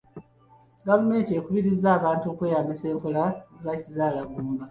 Gavumenti ekubiriza abantu okweyambisa enkola za kizaalaggumba.